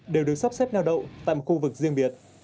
đều được sắp xếp nèo đậu tại một khu vực riêng biệt